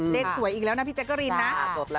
เลขสวยอีกแล้วนะพี่แจ๊กกะรีนนะ